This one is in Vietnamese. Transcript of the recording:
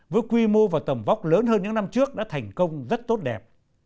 với quy mô và tầm vóc lớn hơn những năm trước đã thành công rất tốt đẹp